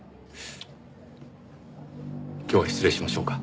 今日は失礼しましょうか。